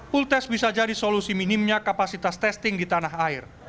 pool test bisa jadi solusi minimnya kapasitas testing di tanah air